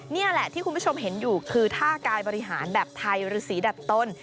นี่แหละที่คุณผู้ชมเห็นอยู่คือท่ากายบริหารแบบไทยหรือสีดัดต้น